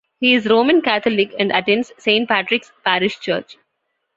He is Roman Catholic and attends Saint Patrick's Parish Church.